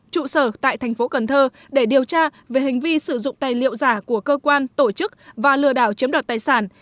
trụ sở tại tp hcm để điều tra về hành vi sử dụng tài liệu giả của cơ quan tổ chức và lừa đảo chiếm đoạt tài sản